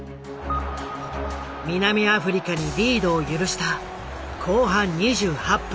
南アフリカにリードを許した後半２８分。